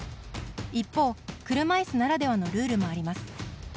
一方、車いすならではのルールもあります。